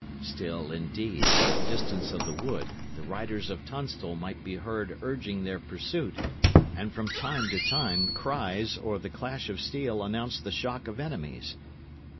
Still, indeed, in the distance of the wood, the riders of Tunstall might be heard urging their pursuit; and from time to time cries or the clash of steel announced the shock of enemies.